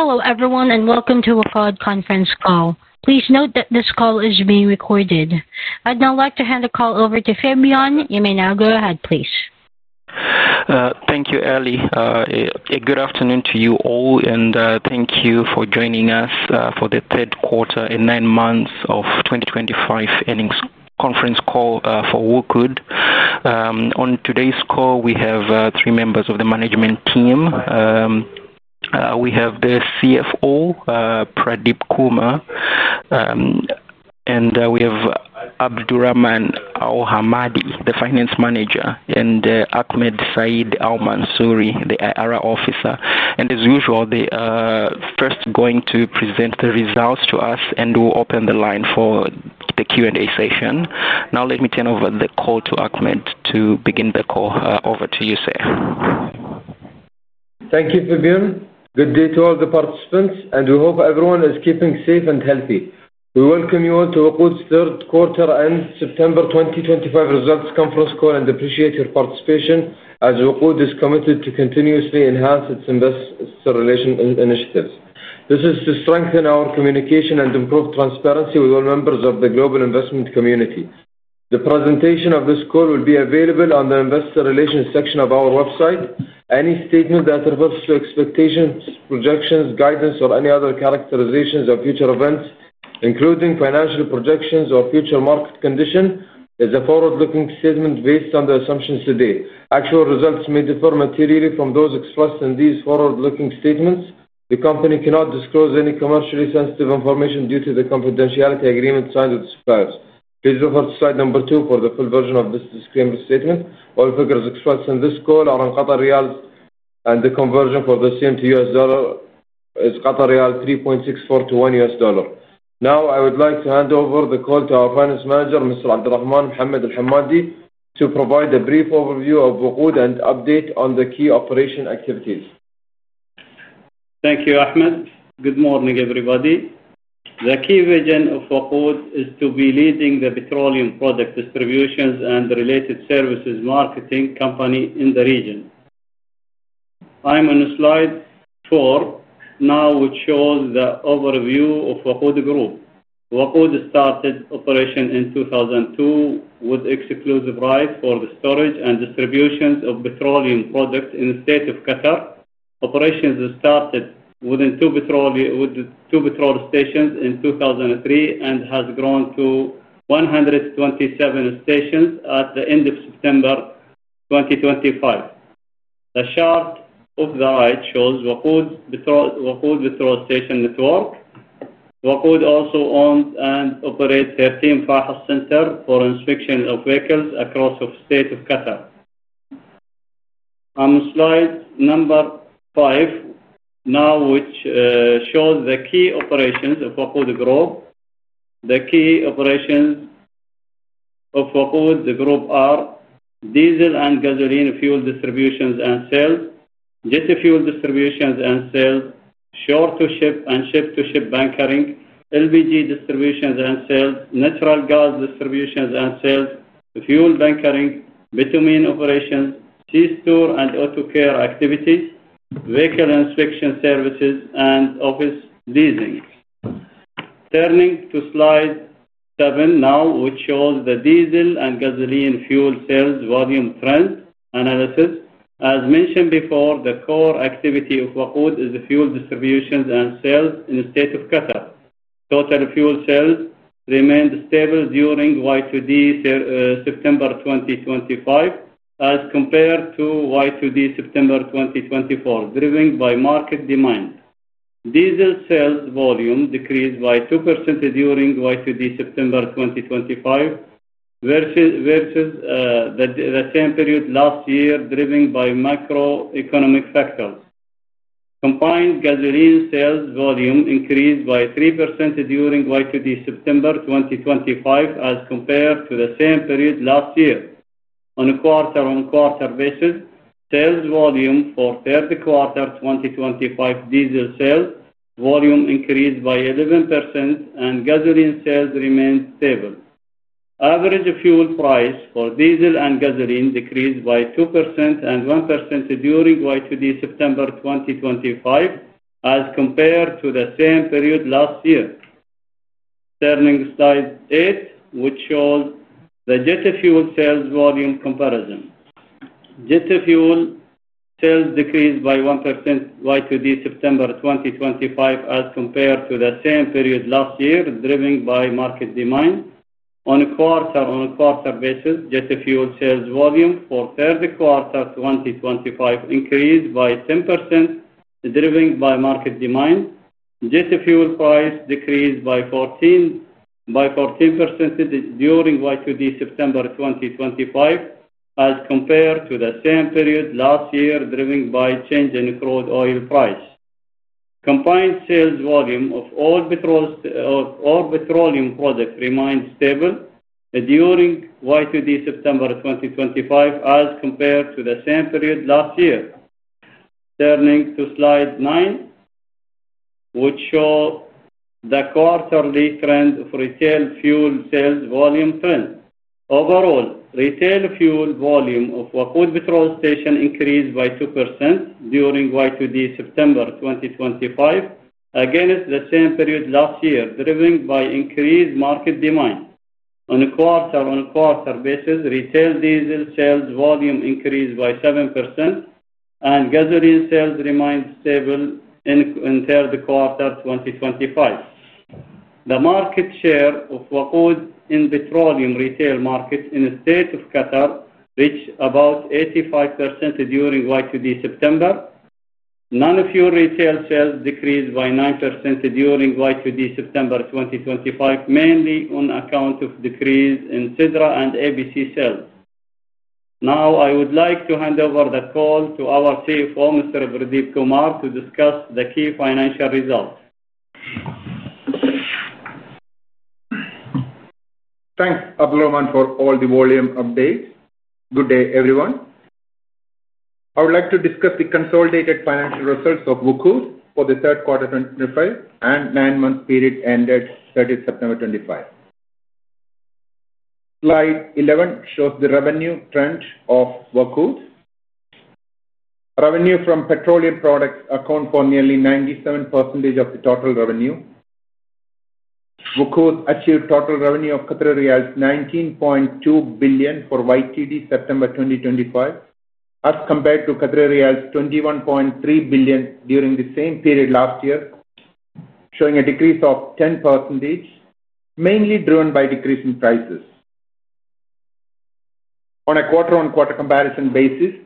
Hello, everyone, and welcome to the WOQOD conference call. Please note that this call is being recorded. I'd now like to hand the call over to Phibion. You may now go ahead, please. Thank you, Ali. Good afternoon to you all, and thank you for joining us for the third quarter and nine months of 2025 earnings conference call for WOQOD. On today's call, we have three members of the management team. We have the CFO, Pradeep Kumar, and we have Abdul Rahman Al Hammadi, the Finance Manager, and Ahmed Saeed Al Mansouri, the ARA Officer. As usual, they are first going to present the results to us and will open the line for the Q&A session. Now, let me turn over the call to Ahmed to begin the call. Over to you, sir. Thank you, Phibion. Good day to all the participants, and we hope everyone is keeping safe and healthy. We welcome you all to WOQOD's third quarter and September 2025 results conference call and appreciate your participation as WOQOD is committed to continuously enhance its investor relations initiatives. This is to strengthen our communication and improve transparency with all members of the global investment community. The presentation of this call will be available on the investor relations section of our website. Any statement that refers to expectations, projections, guidance, or any other characterizations of future events, including financial projections or future market conditions, is a forward-looking statement based on the assumptions today. Actual results may differ materially from those expressed in these forward-looking statements. The company cannot disclose any commercially sensitive information due to the confidentiality agreement signed with its clients. Please refer to slide number two for the full version of this disclaimer statement. All figures expressed in this call are in Qatari rials, and the conversion for the same to U.S. dollar is 3.64 to 1$.Now, I would like to hand over the call to our Finance Manager, Mr. Abdul Rahman Al Hammadi, to provide a brief overview of WOQOD and update on the key operation activities. Thank you, Ahmed. Good morning, everybody. The key vision of WOQOD is to be the leading petroleum product distribution and related services marketing company in the region. I'm on slide four now, which shows the overview of WOQOD Group. WOQOD started operation in 2002 with exclusive rights for the storage and distribution of petroleum products in the state of Qatar. Operations started with two petrol stations in 2003 and have grown to 127 stations at the end of September 2025. The chart on the right shows WOQOD's petrol station network. WOQOD also owns and operates 13 Fahd centers for inspection of vehicles across the state of Qatar. I'm on slide number five now, which shows the key operations of WOQOD Group. The key operations of WOQOD Group are diesel and gasoline fuel distribution and sales, jet fuel distribution and sales, shore-to-ship and ship-to-ship bunkering, LPG distribution and sales, natural gas distribution and sales, fuel bunkering, bitumen operations, store, and autocare activities, vehicle inspection services, and office leasing. Turning to slide seven now, which shows the diesel and gasoline fuel sales volume trend analysis. As mentioned before, the core activity of WOQOD is the fuel distribution and sales in the state of Qatar. Total fuel sales remained stable during Y2D September 2025 as compared to Y2D September 2024, driven by market demand. Diesel sales volume decreased by 2% during Y2D September 2025 versus the same period last year, driven by macroeconomic factors. Combined gasoline sales volume increased by 3% during Y2D September 2025 as compared to the same period last year. On a quarter-on-quarter basis, sales volume for third quarter 2025 diesel sales volume increased by 11%, and gasoline sales remained stable. Average fuel price for diesel and gasoline decreased by 2% and 1% during Y2D September 2025 as compared to the same period last year. Turning to slide eight, which shows the jet fuel sales volume comparison. Jet fuel sales decreased by 1% Y2D September 2025 as compared to the same period last year, driven by market demand. On a quarter-on-quarter basis, jet fuel sales volume for third quarter 2025 increased by 10%, driven by market demand. Jet fuel price decreased by 14% during Y2D September 2025 as compared to the same period last year, driven by change in crude oil price. Combined sales volume of all petroleum products remained stable during Y2D September 2025 as compared to the same period last year. Turning to slide nine, which shows the quarterly trend of retail fuel sales volume trend. Overall, retail fuel volume of WOQOD petrol station increased by 2% during Y2D September 2025 against the same period last year, driven by increased market demand. On a quarter-on-quarter basis, retail diesel sales volume increased by 7%, and gasoline sales remained stable in third quarter 2025. The market share of WOQOD in petroleum retail markets in the state of Qatar reached about 85% during Y2D September. Non-fuel retail sales decreased by 9% during Y2D September 2025, mainly on account of decrease in Sidra and ABC sales. Now, I would like to hand over the call to our CFO, Mr. Pradeep Kumar, to discuss the key financial results. Thanks, Abdul Rahman, for all the volume updates. Good day, everyone. I would like to discuss the consolidated financial results of WOQOD for the third quarter of 2025 and the nine-month period ended 30 September 2025. Slide 11 shows the revenue trend of WOQOD. Revenue from petroleum products accounts for nearly 97% of the total revenue. WOQOD achieved a total revenue of 19.2 billion for Y2D September 2025 as compared to 21.3 billion during the same period last year, showing a decrease of 10%, mainly driven by decrease in prices. On a quarter-on-quarter comparison basis,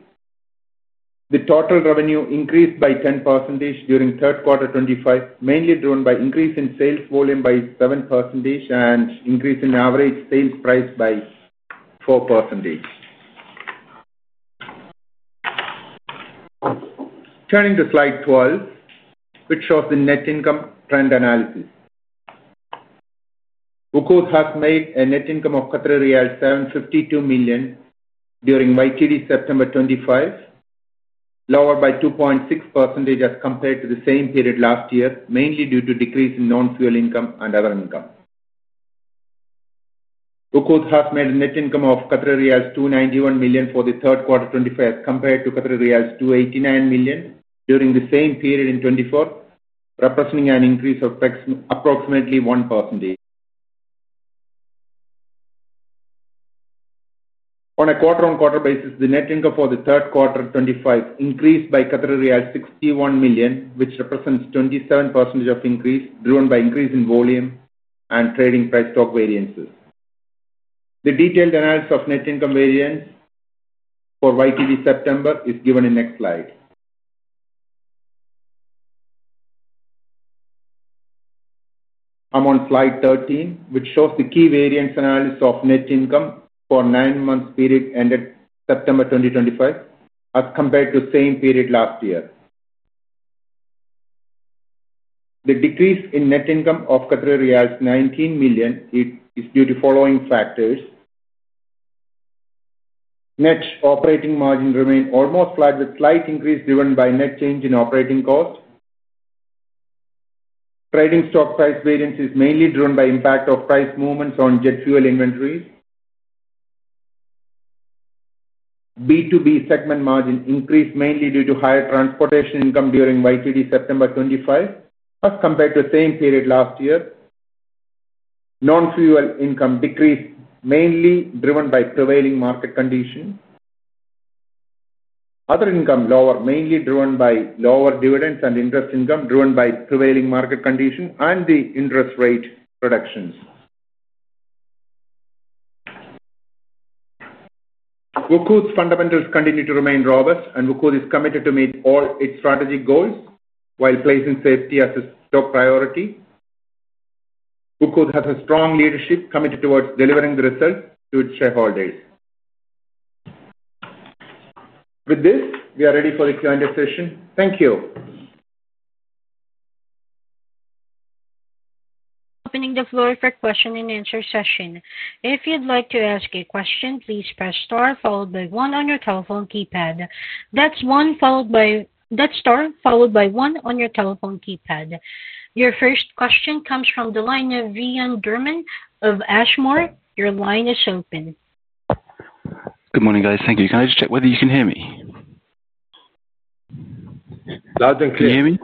the total revenue increased by 10% during third quarter 2025, mainly driven by increase in sales volume by 7% and increase in average sales price by 4%. Turning to slide 12, which shows the net income trend analysis. WOQOD has made a net income of Qatari riyal 752 million during Y2D September 2025, lower by 2.6% as compared to the same period last year, mainly due to decrease in non-fuel income and other income. WOQOD has made a net income of 291 million for the third quarter 2025 as compared to 289 million during the same period in 2024, representing an increase of approximately 1%. On a quarter-on-quarter basis, the net income for the third quarter 2025 increased by 61 million, which represents 27% of increase driven by increase in volume and trading price stock variances. The detailed analysis of net income variance for Y2D September is given in the next slide. I'm on slide 13, which shows the key variance analysis of net income for the nine-month period ended September 2025 as compared to the same period last year. The decrease in net income of 19 million is due to the following factors: net operating margin remained almost flat with a slight increase driven by net change in operating cost. Trading stock price variance is mainly driven by the impact of price movements on jet fuel inventories. B2B segment margin increased mainly due to higher transportation income during Y2D September 2025 as compared to the same period last year. Non-fuel income decreased, mainly driven by prevailing market conditions. Other income lower, mainly driven by lower dividends and interest income driven by prevailing market conditions and the interest rate reductions. WOQOD's fundamentals continue to remain robust, and WOQOD is committed to meet all its strategic goals while placing safety as a top priority. WOQOD has a strong leadership committed towards delivering the results to its shareholders. With this, we are ready for the Q&A session. Thank you. Opening the floor for a question and answer session. If you'd like to ask a question, please press star followed by one on your telephone keypad. That's star followed by one on your telephone keypad. Your first question comes from the line of Rian Durham of Ashmore. Your line is open. Good morning, guys. Thank you. Can I just check whether you can hear me? Loud and clear. Can you hear me?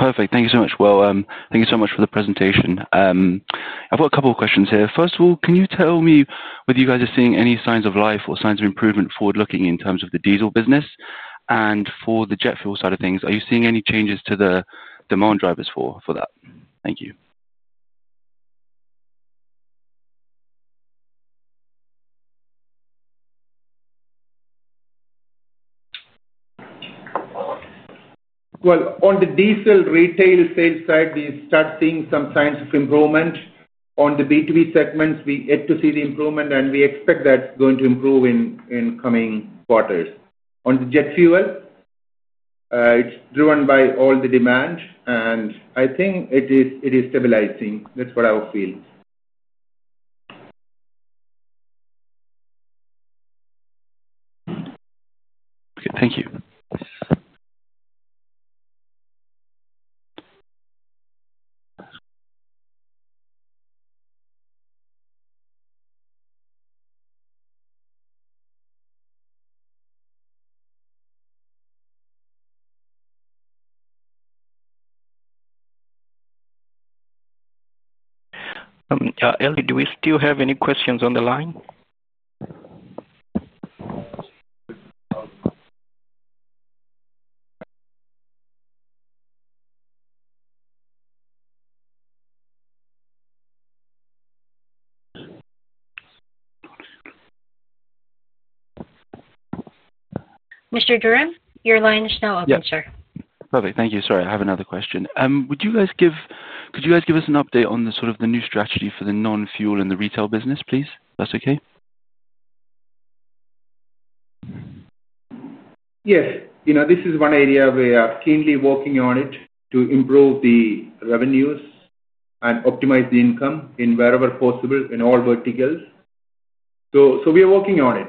Perfect. Thank you so much. Thank you so much for the presentation. I've got a couple of questions here. First of all, can you tell me whether you guys are seeing any signs of life or signs of improvement forward-looking in terms of the diesel business? For the jet fuel side of things, are you seeing any changes to the demand drivers for that? Thank you. On the diesel retail sales side, we start seeing some signs of improvement. On the B2B segments, we aim to see the improvement, and we expect that's going to improve in coming quarters. On the jet fuel, it's driven by all the demand, and I think it is stabilizing. That's what I feel. Okay, thank you. Ali, do we still have any questions on the line? Mr. Durham, your line is now open, sir. Perfect. Thank you. Sorry, I have another question. Could you guys give us an update on the new strategy for the non-fuel and the retail business, please, if that's okay? Yes. This is one area we are keenly working on to improve the revenues and optimize the income wherever possible in all verticals. We are working on it.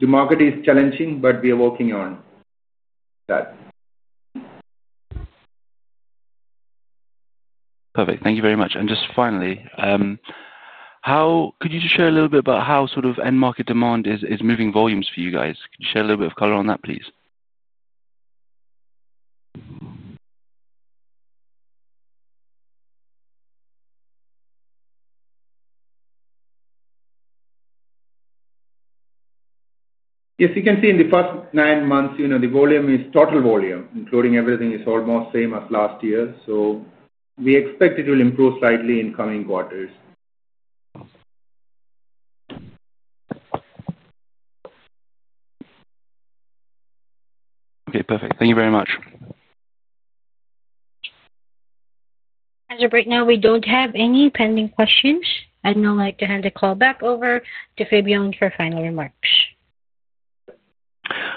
The market is challenging, but we are working on that. Perfect. Thank you very much. Just finally, could you share a little bit about how sort of end-market demand is moving volumes for you guys? Could you share a little bit of color on that, please? If you can see in the first nine months, you know the volume is total volume, including everything, is almost the same as last year. We expect it will improve slightly in coming quarters. Okay. Perfect. Thank you very much. As of right now, we don't have any pending questions. I'd now like to hand the call back over to Phibion for final remarks.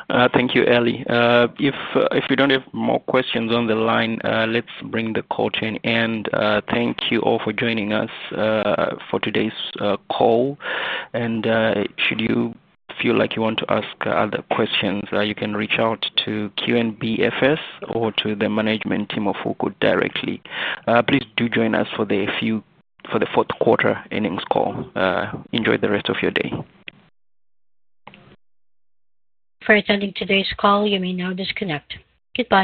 Thank you, Ali. If we don't have more questions on the line, let's bring the call to an end. Thank you all for joining us for today's call. Should you feel like you want to ask other questions, you can reach out to QNB Financial Services SPC or to the management team of WOQOD directly. Please do join us for the fourth quarter earnings call. Enjoy the rest of your day. For attending today's call, you may now disconnect. Goodbye.